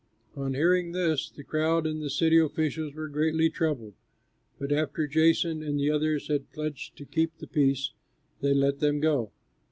On hearing this the crowd and the city officials were greatly troubled; but after Jason and the others had pledged to keep the peace, they let them go.